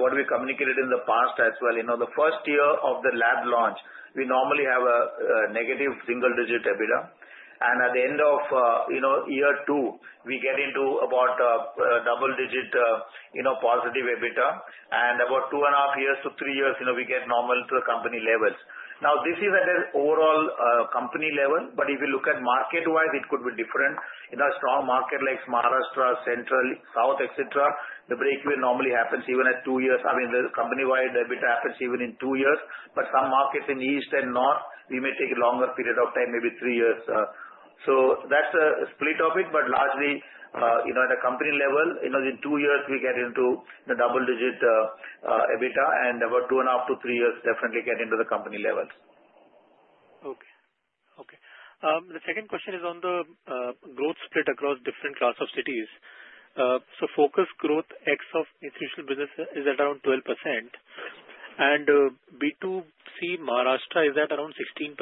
what we communicated in the past as well. The first year of the lab launch, we normally have a negative single-digit EBITDA. And at the end of year two, we get into about a double-digit positive EBITDA. And about two and a half years to three years, we get normal to the company levels. Now, this is at an overall company level, but if you look at market-wise, it could be different. In a strong market like Maharashtra, Central, South, etc., the break even normally happens even at two years. I mean, the company-wide EBITDA happens even in two years, but some markets in East and North, we may take a longer period of time, maybe three years. So that's a split of it, but largely at a company level, in two years, we get into the double-digit EBITDA, and about two and a half to three years, definitely get into the company levels. Okay. Okay. The second question is on the growth split across different class of cities. So focus growth ex of institutional business is at around 12%, and B2C Maharashtra is at around 16%.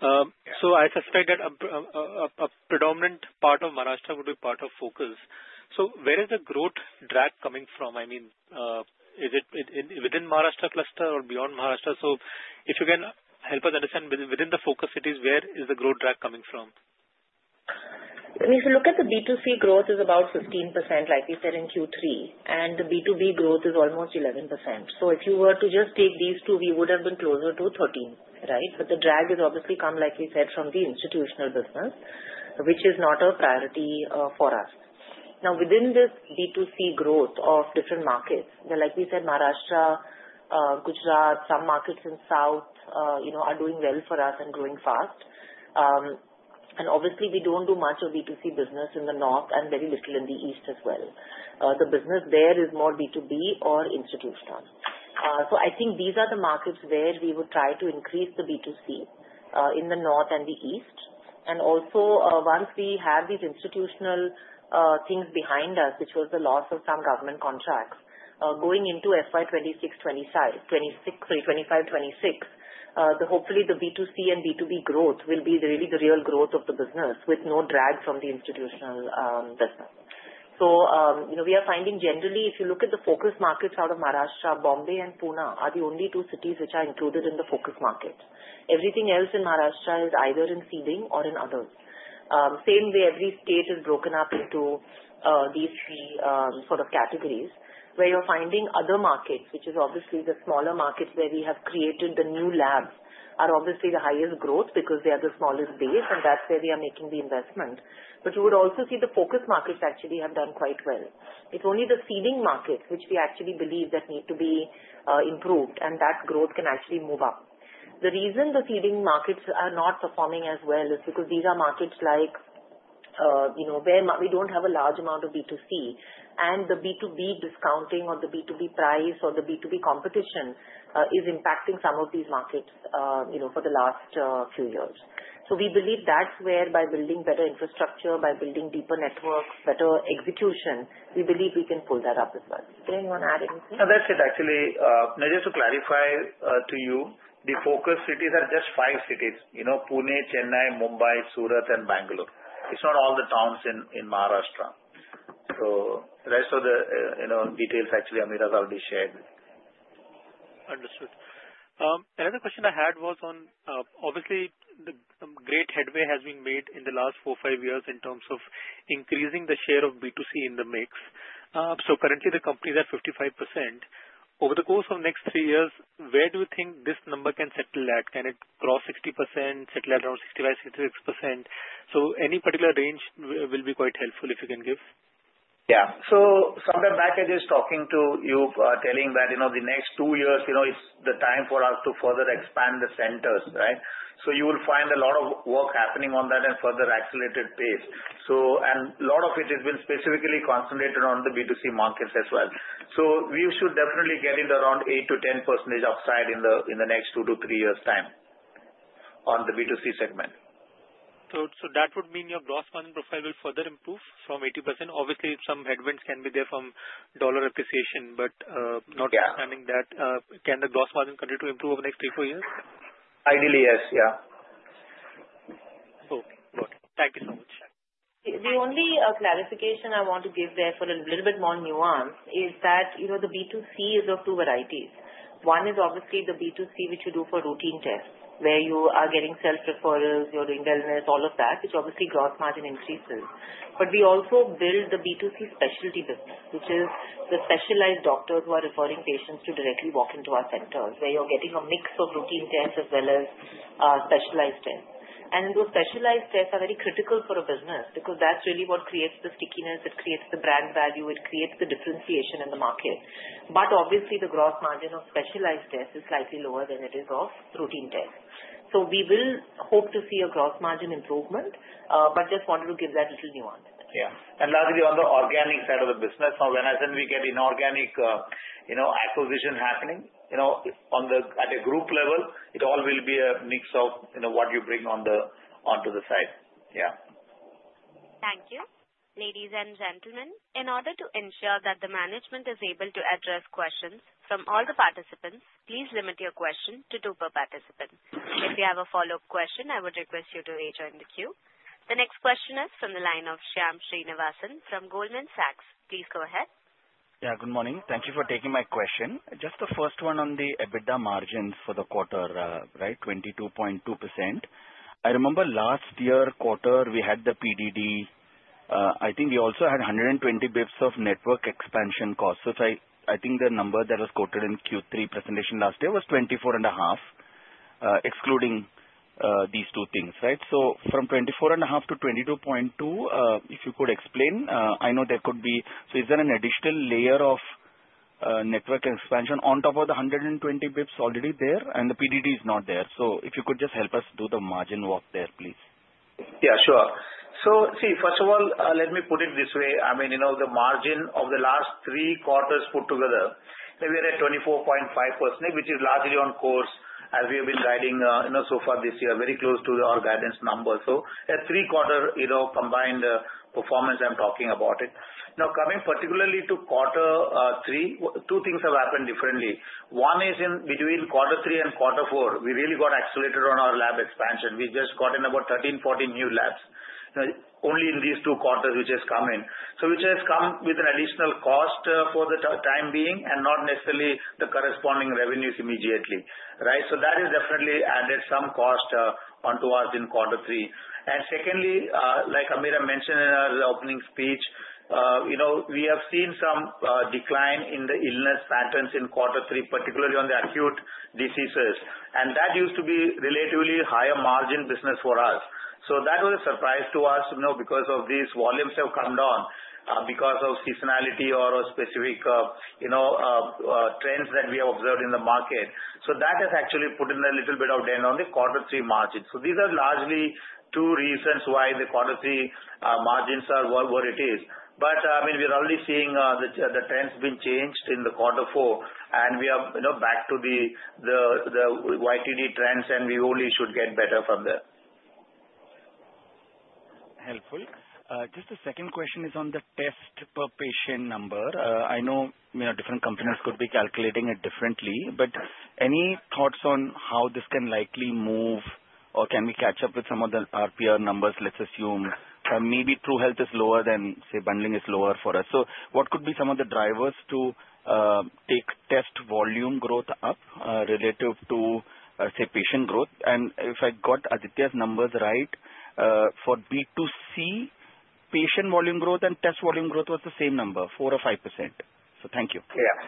So I suspect that a predominant part of Maharashtra would be part of focus. So where is the growth drag coming from? I mean, is it within Maharashtra cluster or beyond Maharashtra? So if you can help us understand, within the focus cities, where is the growth drag coming from? If you look at the B2C growth, it's about 15%, like we said, in Q3, and the B2B growth is almost 11%. So if you were to just take these two, we would have been closer to 13%, right? But the drag has obviously come, like we said, from the institutional business, which is not a priority for us. Now, within this B2C growth of different markets, like we said, Maharashtra, Gujarat, some markets in South are doing well for us and growing fast. And obviously, we don't do much of B2C business in the North and very little in the East as well. The business there is more B2B or institutional. So I think these are the markets where we would try to increase the B2C in the North and the East. And also, once we have these institutional things behind us, which was the loss of some government contracts, going into FY26, 25, 26, hopefully, the B2C and B2B growth will be really the real growth of the business with no drag from the institutional business. So we are finding generally, if you look at the focus markets out of Maharashtra, Mumbai and Pune are the only two cities which are included in the focus market. Everything else in Maharashtra is either in seeding or in others. Same way, every state is broken up into these three sort of categories where you're finding other markets, which is obviously the smaller markets where we have created the new labs, are obviously the highest growth because they are the smallest base, and that's where we are making the investment. But you would also see the focus markets actually have done quite well. It's only the seeding markets which we actually believe that need to be improved, and that growth can actually move up. The reason the seeding markets are not performing as well is because these are markets where we don't have a large amount of B2C, and the B2B discounting or the B2B price or the B2B competition is impacting some of these markets for the last few years. So we believe that's where, by building better infrastructure, by building deeper networks, better execution, we believe we can pull that up as well. Suren you want to add anything? No, that's it, actually. Just to clarify to you, the focus cities are just five cities: Pune, Chennai, Mumbai, Surat, and Bengaluru. It's not all the towns in Maharashtra. So the rest of the details actually Ameera already shared. Understood. Another question I had was on, obviously, some great headway has been made in the last four, five years in terms of increasing the share of B2C in the mix. So currently, the companies are 55%. Over the course of next three years, where do you think this number can settle at? Can it cross 60%, settle at around 65-66%? So any particular range will be quite helpful if you can give. Yeah. So some time back, I was just talking to you, telling that the next two years, it's the time for us to further expand the centers, right? So you will find a lot of work happening on that at a further accelerated pace. And a lot of it has been specifically concentrated on the B2C markets as well. So we should definitely get into around 8%-10% upside in the next two to three years' time on the B2C segment. So that would mean your gross margin profile will further improve from 80%. Obviously, some headwinds can be there from dollar appreciation, but notwithstanding that. Can the gross margin continue to improve over the next three, four years? Ideally, yes. Yeah. Okay. Got it. Thank you so much. The only clarification I want to give there for a little bit more nuance is that the B2C is of two varieties. One is obviously the B2C which you do for routine tests, where you are getting self-referrals, you're doing wellness, all of that, which obviously gross margin increases. But we also build the B2C specialty business, which is the specialized doctors who are referring patients to directly walk into our centers, where you're getting a mix of routine tests as well as specialized tests. And those specialized tests are very critical for a business because that's really what creates the stickiness. It creates the brand value. It creates the differentiation in the market. But obviously, the gross margin of specialized tests is slightly lower than it is of routine tests. So we will hope to see a gross margin improvement, but just wanted to give that little nuance. Yeah, and lastly, on the organic side of the business, when I said we get inorganic acquisition happening at a group level, it all will be a mix of what you bring onto the side. Yeah. Thank you. Ladies and gentlemen, in order to ensure that the management is able to address questions from all the participants, please limit your question to two per participant. If you have a follow-up question, I would request you to rejoin the queue. The next question is from the line of Shyam Srinivasan from Goldman Sachs. Please go ahead. Yeah. Good morning. Thank you for taking my question. Just the first one on the EBITDA margins for the quarter, right? 22.2%. I remember last year quarter, we had the PDD. I think we also had 120 basis points of network expansion costs. So I think the number that was quoted in Q3 presentation last year was 24 and a half, excluding these two things, right? So from 24 and a half to 22.2, if you could explain, I know there could be so is there an additional layer of network expansion on top of the 120 basis points already there? And the PDD is not there. So if you could just help us do the margin work there, please. Yeah. Sure. So see, first of all, let me put it this way. I mean, the margin of the last three quarters put together, we are at 24.5%, which is largely on course as we have been guiding so far this year, very close to our guidance number. So at three quarter combined performance, I'm talking about it. Now, coming particularly to quarter three, two things have happened differently. One is in between quarter three and quarter four, we really got accelerated on our lab expansion. We just got in about 13, 14 new labs only in these two quarters which has come in, which has come with an additional cost for the time being and not necessarily the corresponding revenues immediately, right? So that has definitely added some cost onto us in quarter three. And secondly, like Ameera mentioned in our opening speech, we have seen some decline in the illness patterns in quarter three, particularly on the acute diseases. And that used to be relatively higher margin business for us. So that was a surprise to us because these volumes have come down because of seasonality or specific trends that we have observed in the market. So that has actually put in a little bit of dent on the quarter three margin. So these are largely two reasons why the quarter three margins are where it is. But I mean, we're already seeing the trends have been changed in the quarter four, and we are back to the YTD trends, and we only should get better from there. Helpful. Just the second question is on the test per patient number. I know different companies could be calculating it differently, but any thoughts on how this can likely move or can we catch up with some of the RPR numbers? Let's assume maybe TruHealth is lower than, say, bundling is lower for us? So what could be some of the drivers to take test volume growth up relative to, say, patient growth? And if I got Aditya's numbers right, for B2C, patient volume growth and test volume growth was the same number, 4% or 5%. So thank you. Yeah.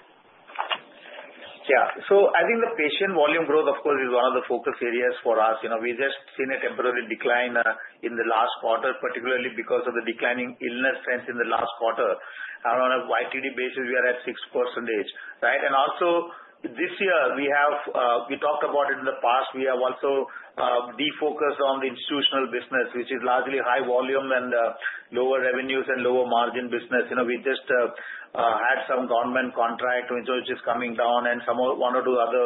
Yeah. So I think the patient volume growth, of course, is one of the focus areas for us. We just seen a temporary decline in the last quarter, particularly because of the declining illness trends in the last quarter. On a YTD basis, we are at 6%, right? And also this year, we talked about it in the past. We have also defocused on the institutional business, which is largely high volume and lower revenues and lower margin business. We just had some government contract which is coming down, and some one or two other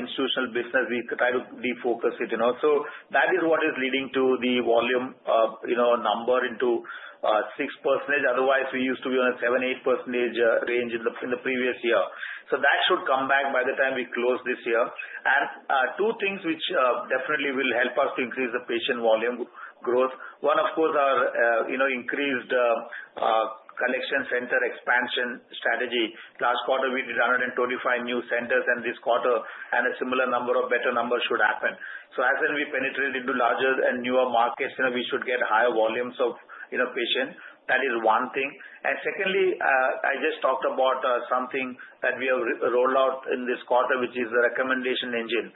institutional business, we try to defocus it. So that is what is leading to the volume number into 6%. Otherwise, we used to be on a 7%-8% range in the previous year. So that should come back by the time we close this year. Two things which definitely will help us to increase the patient volume growth. One, of course, our increased collection center expansion strategy. Last quarter, we did 125 new centers, and this quarter, a similar number of better numbers should happen. So as we penetrate into larger and newer markets, we should get higher volumes of patients. That is one thing. And secondly, I just talked about something that we have rolled out in this quarter, which is the recommendation engine,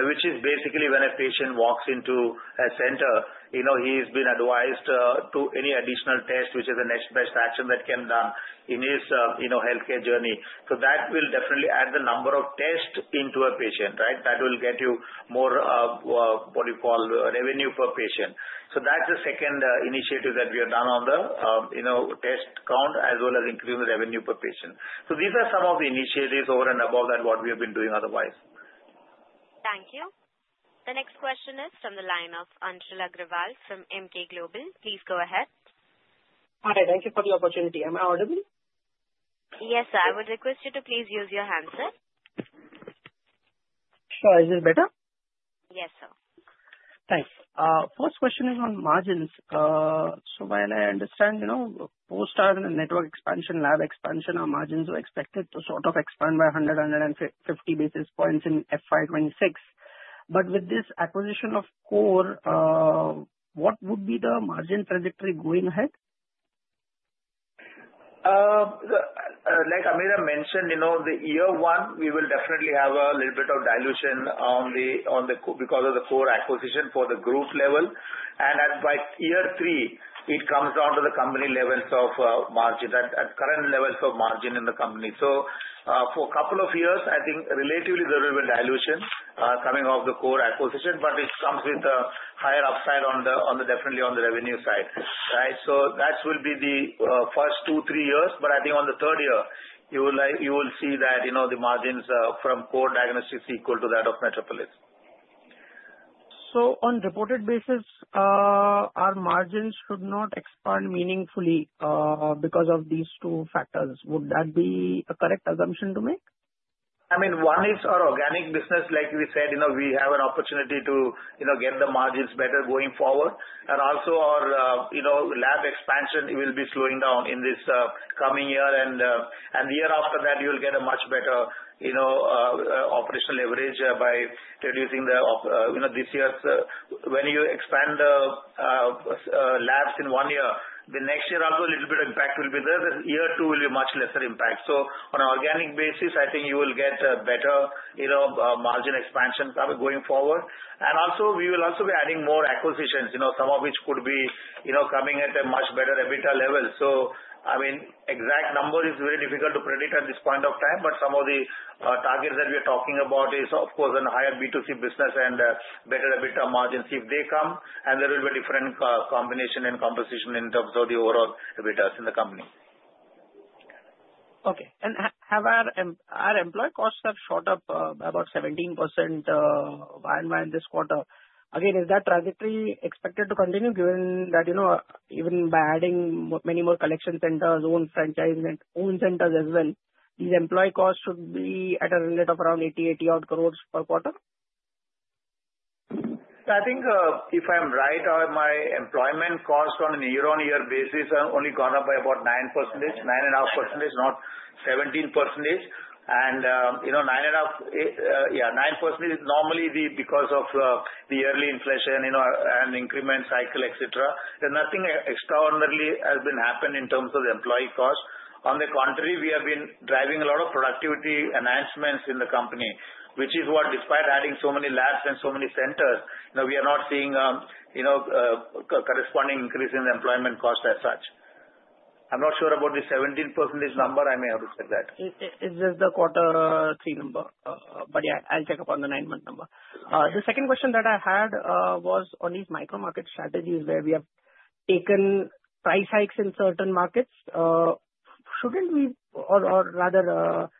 which is basically when a patient walks into a center, he has been advised to any additional test, which is the next best action that can be done in his healthcare journey. So that will definitely add the number of tests into a patient, right? That will get you more what you call revenue per patient. So that's the second initiative that we have done on the test count as well as increasing the revenue per patient. So these are some of the initiatives over and above that, what we have been doing otherwise. Thank you. The next question is from the line of Anshul Agrawal from Emkay Global. Please go ahead. Hi. Thank you for the opportunity. Am I audible? Yes, sir. I would request you to please use your hand, sir. Sure. Is this better? Yes, sir. Thanks. First question is on margins. So while I understand post-network expansion, lab expansion, our margins were expected to sort of expand by 100-150 basis points in FY26. But with this acquisition of Core, what would be the margin trajectory going ahead? Like Ameera mentioned, the year one, we will definitely have a little bit of dilution because of the Core acquisition for the group level, and by year three, it comes down to the company levels of margin and current levels of margin in the company, so for a couple of years, I think relatively there will be dilution coming off the Core acquisition, but it comes with a higher upside definitely on the revenue side, right, so that will be the first two, three years, but I think on the third year, you will see that the margins from Core Diagnostics equal to that of Metropolis. So on reported basis, our margins should not expand meaningfully because of these two factors. Would that be a correct assumption to make? I mean, one is our organic business. Like we said, we have an opportunity to get the margins better going forward. And also, our lab expansion will be slowing down in this coming year. And the year after that, you will get a much better operational leverage by reducing this year's when you expand the labs in one year, the next year also a little bit of impact will be there. Year two will be much lesser impact. So on an organic basis, I think you will get better margin expansion going forward. And also, we will also be adding more acquisitions, some of which could be coming at a much better EBITDA level. So I mean, exact number is very difficult to predict at this point of time, but some of the targets that we are talking about is, of course, a higher B2C business and better EBITDA margin. If they come, and there will be a different combination and composition in terms of the overall EBITDAs in the company. Okay. And our employee costs have shot up about 17% year-on-year in this quarter. Again, is that trajectory expected to continue given that even by adding many more collection centers, own franchise, and own centers as well, these employee costs should be at a rate of around 80, 80-odd crores per quarter? I think if I'm right, my employment costs on a year-on-year basis have only gone up by about 9%, 9.5%, not 17%. And 9.5%, yeah, 9% is normally because of the early inflation and increment cycle, etc. Nothing extraordinary has been happened in terms of the employee costs. On the contrary, we have been driving a lot of productivity enhancements in the company, which is what, despite adding so many labs and so many centers, we are not seeing a corresponding increase in the employment cost as such. I'm not sure about the 17% number. I may have to check that. It's just the quarter three number. But yeah, I'll check up on the nine-month number. The second question that I had was on these micro-market strategies where we have taken price hikes in certain markets. Shouldn't we, or rather,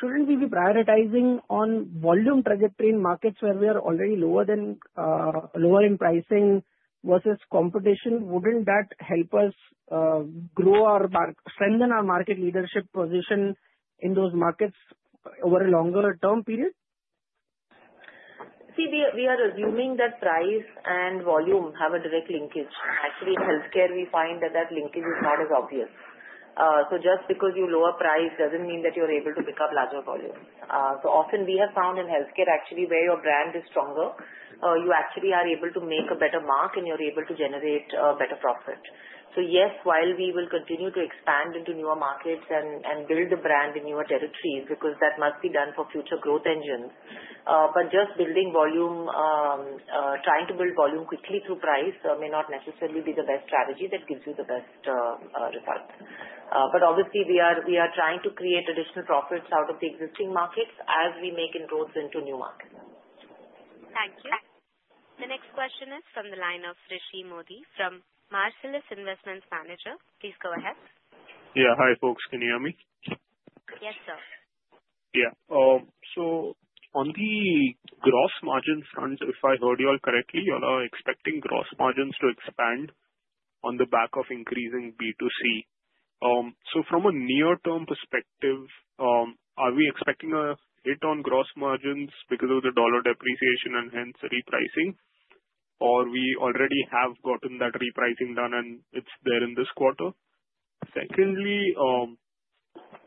shouldn't we be prioritizing on volume trajectory in markets where we are already lower in pricing versus competition? Wouldn't that help us strengthen our market leadership position in those markets over a longer term period? See, we are assuming that price and volume have a direct linkage. Actually, in healthcare, we find that that linkage is not as obvious. So just because you lower price doesn't mean that you're able to pick up larger volume. So often, we have found in healthcare, actually, where your brand is stronger, you actually are able to make a better margin, and you're able to generate a better profit. Yes, while we will continue to expand into newer markets and build the brand in newer territories because that must be done for future growth engines, but just building volume, trying to build volume quickly through price may not necessarily be the best strategy that gives you the best results. Obviously, we are trying to create additional profits out of the existing markets as we make inroads into new markets. Thank you. The next question is from the line of Rishi Modi from Marcellus Investment Managers. Please go ahead. Yeah. Hi, folks. Can you hear me? Yes, sir. Yeah. So on the gross margin front, if I heard you all correctly, you all are expecting gross margins to expand on the back of increasing B2C. So from a near-term perspective, are we expecting a hit on gross margins because of the dollar depreciation and hence repricing, or we already have gotten that repricing done, and it's there in this quarter? Secondly,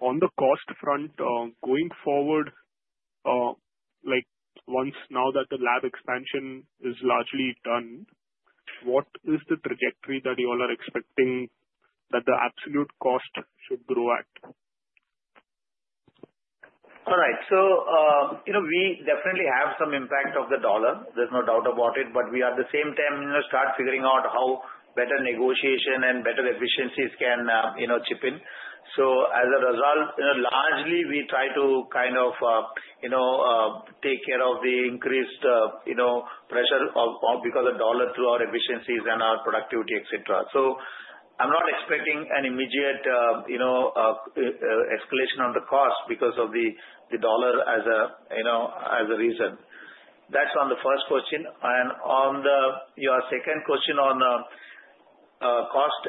on the cost front, going forward, once now that the lab expansion is largely done, what is the trajectory that you all are expecting that the absolute cost should grow at? All right. So we definitely have some impact of the dollar. There's no doubt about it. But we at the same time start figuring out how better negotiation and better efficiencies can chip in. So as a result, largely, we try to kind of take care of the increased pressure because of the dollar through our efficiencies and our productivity, etc. So I'm not expecting an immediate escalation on the cost because of the dollar as a reason. That's on the first question. And on your second question on cost,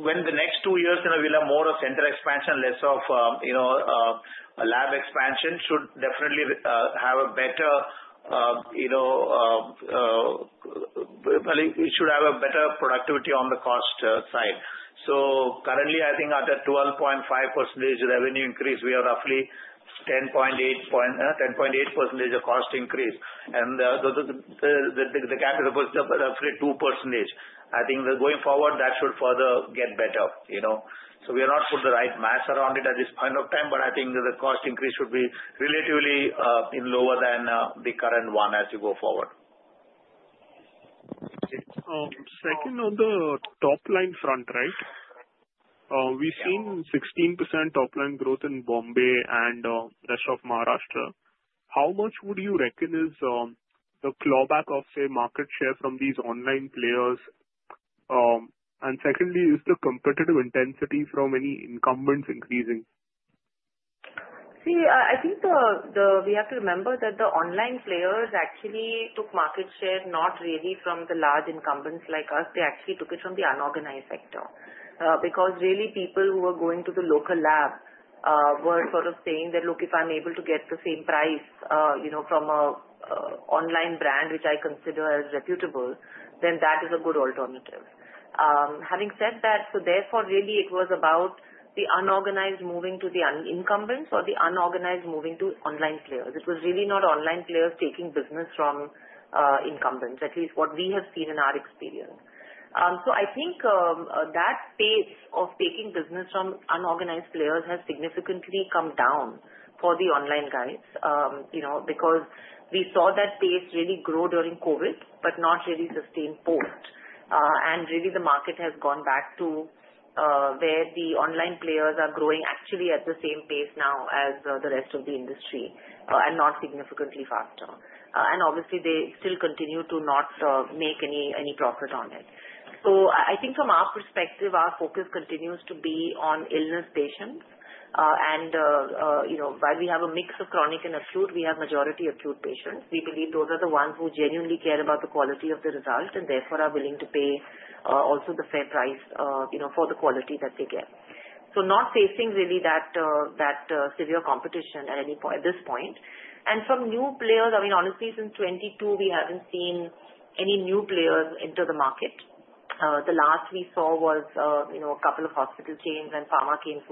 when the next two years we'll have more of center expansion, less of lab expansion, should definitely have a better productivity on the cost side. So currently, I think after 12.5% revenue increase, we are roughly 10.8% of cost increase. And the gap is roughly 2%. I think going forward, that should further get better. So we are not put the right math around it at this point of time, but I think the cost increase should be relatively lower than the current one as we go forward. Second on the top-line front, right? We've seen 16% top-line growth in Mumbai and rest of Maharashtra. How much would you reckon is the clawback of, say, market share from these online players? And secondly, is the competitive intensity from any incumbents increasing? See, I think we have to remember that the online players actually took market share, not really from the large incumbents like us. They actually took it from the unorganized sector because really, people who were going to the local lab were sort of saying that, "Look, if I'm able to get the same price from an online brand, which I consider as reputable, then that is a good alternative." Having said that, so therefore, really, it was about the unorganized moving to the incumbents or the unorganized moving to online players. It was really not online players taking business from incumbents, at least what we have seen in our experience. So I think that pace of taking business from unorganized players has significantly come down for the online guys because we saw that pace really grow during COVID but not really sustained post. And really, the market has gone back to where the online players are growing actually at the same pace now as the rest of the industry and not significantly faster. And obviously, they still continue to not make any profit on it. So I think from our perspective, our focus continues to be on illness patients. And while we have a mix of chronic and acute, we have majority acute patients. We believe those are the ones who genuinely care about the quality of the result and therefore are willing to pay also the fair price for the quality that they get. So not facing really that severe competition at this point. And from new players, I mean, honestly, since 2022, we haven't seen any new players enter the market. The last we saw was a couple of hospital chains and pharma chains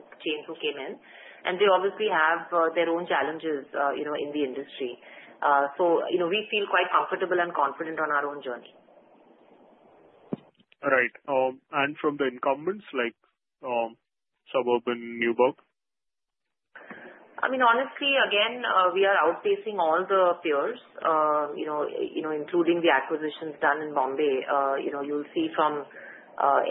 who came in. They obviously have their own challenges in the industry. We feel quite comfortable and confident on our own journey. All right, and from the incumbents, like Suburban, Neuberg? I mean, honestly, again, we are outpacing all the peers, including the acquisitions done in Bombay. You'll see from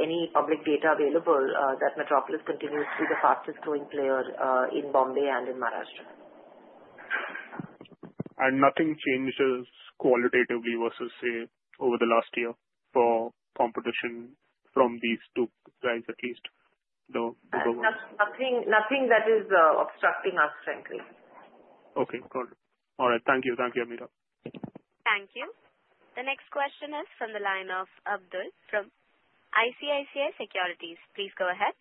any public data available that Metropolis continues to be the fastest-growing player in Bombay and in Maharashtra. Nothing changes qualitatively versus, say, over the last year for competition from these two guys, at least? Nothing that is obstructing us, frankly. Okay. Got it. All right. Thank you. Thank you, Ameera. Thank you. The next question is from the line of Abdul from ICICI Securities. Please go ahead.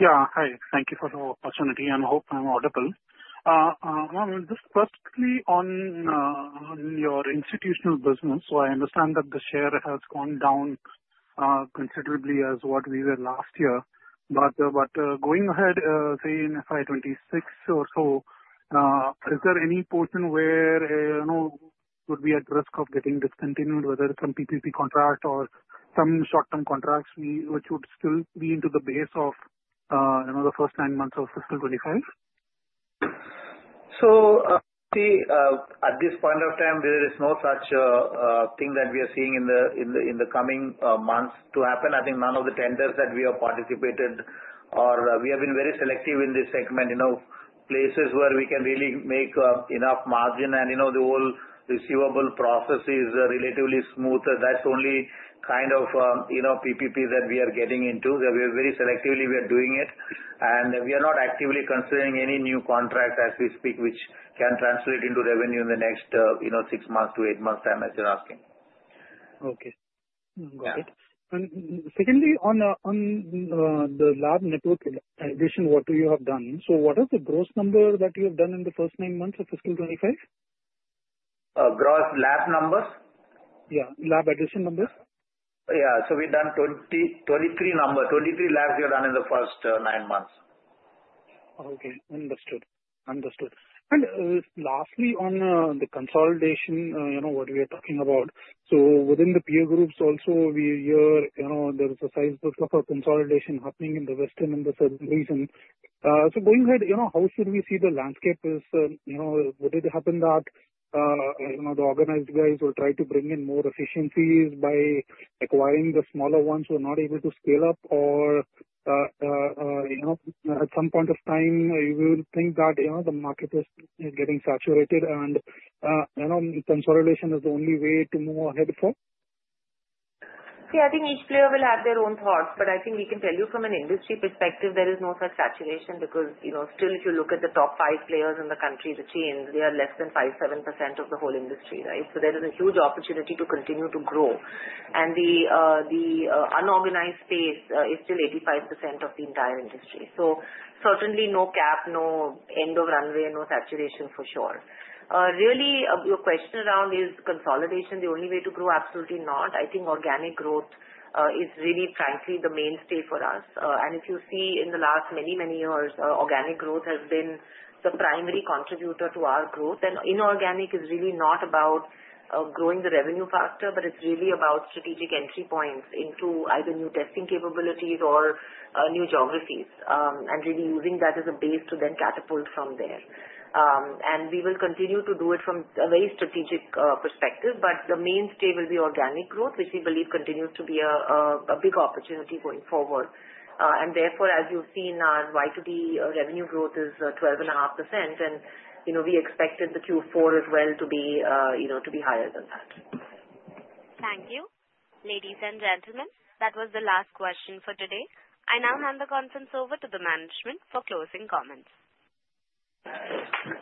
Yeah. Hi. Thank you for the opportunity. I hope I'm audible. Just firstly on your institutional business, so I understand that the share has gone down considerably as what we were last year. But going ahead, say in FY 2026 or so, is there any portion where we are at risk of getting discontinued, whether it's some PPP contract or some short-term contracts which would still be into the base of the first nine months of fiscal 2025? So see, at this point of time, there is no such thing that we are seeing in the coming months to happen. I think none of the tenders that we have participated or we have been very selective in this segment, places where we can really make enough margin and the whole receivable process is relatively smooth. That's only kind of PPP that we are getting into. Very selectively, we are doing it. We are not actively considering any new contracts as we speak, which can translate into revenue in the next six-to-eight months' time, as you're asking. Okay. Got it. And secondly, on the lab network addition, what do you have done? So what is the gross number that you have done in the first nine months of fiscal 2025? Gross lab numbers? Yeah. Lab addition numbers? Yeah, so we've done 23 labs in the first nine months. Okay. Understood. Understood. And lastly, on the consolidation, what we are talking about, so within the peer groups also, there is a size of a consolidation happening in the western and the southern region. So going ahead, how should we see the landscape? Would it happen that the organized guys will try to bring in more efficiencies by acquiring the smaller ones who are not able to scale up, or at some point of time, you will think that the market is getting saturated and consolidation is the only way to move ahead for? See, I think each player will have their own thoughts, but I think we can tell you from an industry perspective, there is no such saturation because still, if you look at the top five players in the country, the chains, they are less than 5%-7% of the whole industry, right? So there is a huge opportunity to continue to grow. And the unorganized space is still 85% of the entire industry. So certainly, no cap, no end of runway, no saturation for sure. Really, your question around is consolidation the only way to grow? Absolutely not. I think organic growth is really, frankly, the mainstay for us. And if you see in the last many, many years, organic growth has been the primary contributor to our growth. Inorganic is really not about growing the revenue faster, but it's really about strategic entry points into either new testing capabilities or new geographies and really using that as a base to then catapult from there. We will continue to do it from a very strategic perspective, but the mainstay will be organic growth, which we believe continues to be a big opportunity going forward. Therefore, as you've seen, our B2B revenue growth is 12.5%, and we expect the Q4 as well to be higher than that. Thank you. Ladies and gentlemen, that was the last question for today. I now hand the conference over to the management for closing comments.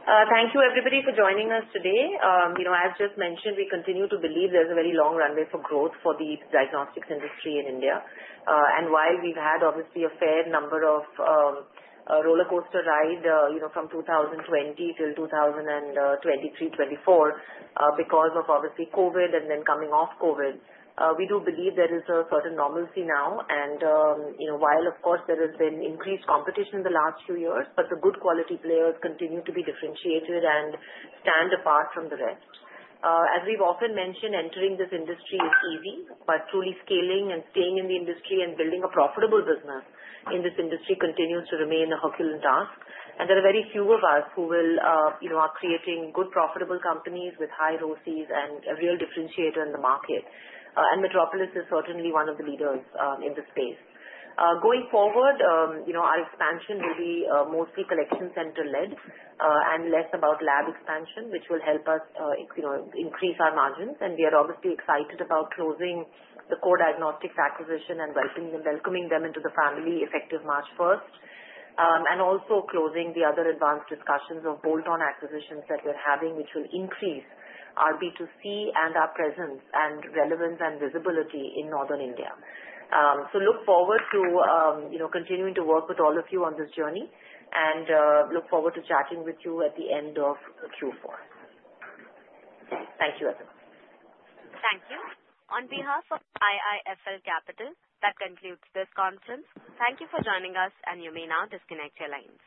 Thank you, everybody, for joining us today. As just mentioned, we continue to believe there's a very long runway for growth for the diagnostics industry in India. And while we've had, obviously, a fair number of roller coaster rides from 2020 till 2023, 2024, because of, obviously, COVID and then coming off COVID, we do believe there is a certain normalcy now. And while, of course, there has been increased competition in the last few years, but the good quality players continue to be differentiated and stand apart from the rest. As we've often mentioned, entering this industry is easy, but truly scaling and staying in the industry and building a profitable business in this industry continues to remain a Herculean task. And there are very few of us who are creating good, profitable companies with high ROCEs and a real differentiator in the market. And Metropolis is certainly one of the leaders in this space. Going forward, our expansion will be mostly collection center-led and less about lab expansion, which will help us increase our margins. And we are obviously excited about closing the Core Diagnostics acquisition and welcoming them into the family effective March 1st, and also closing the other advanced discussions of bolt-on acquisitions that we're having, which will increase our B2C and our presence and relevance and visibility in northern India. So look forward to continuing to work with all of you on this journey and look forward to chatting with you at the end of Q4. Thank you, everyone. Thank you. On behalf of IIFL Capital, that concludes this conference. Thank you for joining us, and you may now disconnect your lines.